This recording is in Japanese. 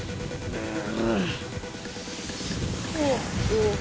うん！